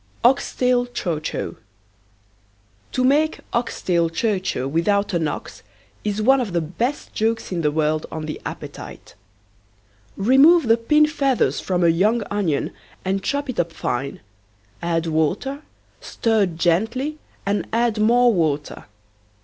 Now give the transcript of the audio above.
OX TAIL CHOW CHOW. To make ox tail chow chow without an ox is one of the best jokes in the world on the appetite. Remove the pin feathers from a young onion and chop it up fine, add water, stir gently and add more water.